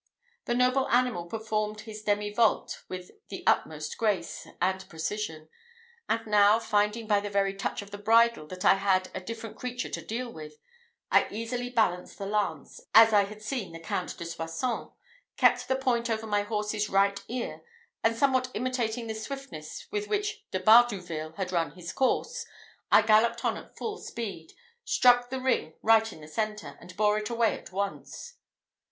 The noble animal performed his demi volte with the utmost grace and precision; and now, finding by the very touch of the bridle that I had a different creature to deal with, I easily balanced the lance, as I had seen the Count de Soissons, kept the point over my horse's right ear, and, somewhat imitating the swiftness with which De Bardouville had run his course, I galloped on at full speed, struck the ring right in the centre, and bore it away at once.